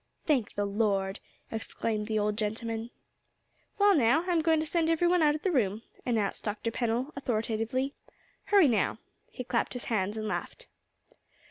"Thank the Lord!" exclaimed the old gentleman. "Well, now I'm going to send every one out of the room," announced Dr. Pennell, authoritatively. "Hurry now!" he clapped his hands and laughed.